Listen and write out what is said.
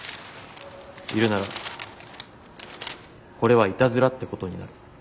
いるならこれはイタズラってことになる。